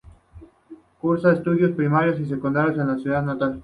Cursa estudios primarios y secundarios en su ciudad natal.